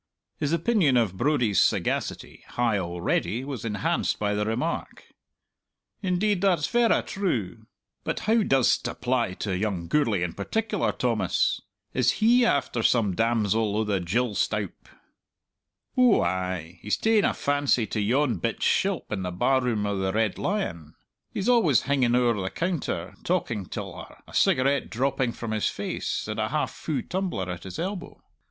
His opinion of Brodie's sagacity, high already, was enhanced by the remark. "Indeed, that's verra true. But how does't apply to young Gourlay in particular, Thomas? Is he after some damsel o' the gill stoup?" "Ou ay he's ta'en a fancy to yon bit shilp in the bar room o' the Red Lion. He's always hinging owre the counter talking till her, a cigarette dropping from his face, and a half fu' tumbler at his elbow.